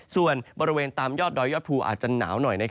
ส่วนบริเวณตามยอดดอยยอดภูอาจจะหนาวหน่อย